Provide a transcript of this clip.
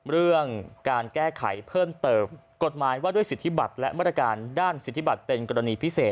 เรื่องการแก้ไขเพิ่มเติมกฎหมายว่าด้วยสิทธิบัตรและมาตรการด้านสิทธิบัตรเป็นกรณีพิเศษ